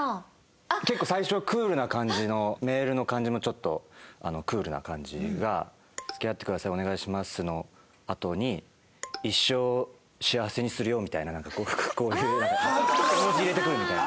結構最初クールな感じのメールの感じもちょっとクールな感じが「付き合ってくださいお願いします」のあとに「一生幸せにするよ」みたいなこういうなんか絵文字入れてくるみたいな。